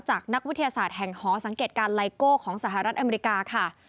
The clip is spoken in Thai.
นักวิทยาศาสตร์แห่งหอสังเกตการไลโก้ของสหรัฐอเมริกาค่ะ